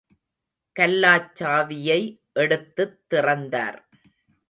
கல்லாச் சாவியை எடுத்துத் திறந்தார்.